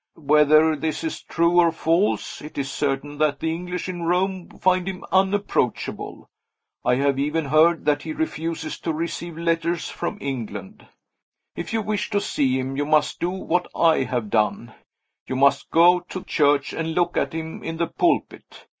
Whether this is true or false, it is certain that the English in Rome find him unapproachable. I have even heard that he refuses to receive letters from England. If you wish to see him, you must do what I have done you must go to church and look at him in the pulpit.